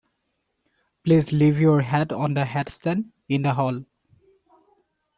Please leave your hat on the hatstand in the hall